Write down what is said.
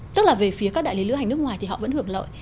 tức là về phía các đại lý lữ hành nước ngoài thì họ vẫn hưởng lợi